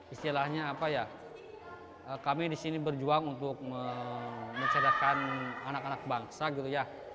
istilahnya apa ya kami di sini berjuang untuk menceritakan anak anak bangsa gitu ya